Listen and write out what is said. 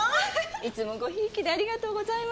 いつもご贔屓にありがとうございます。